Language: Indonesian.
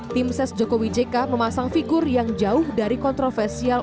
tim ses jokowi jk memasang figur yang jauh dari kontroversial